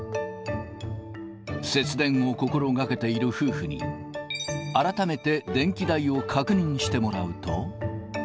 節電を心がけている夫婦に、改めて電気代を確認してもらうと。